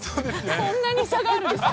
そんなに差があるんですか。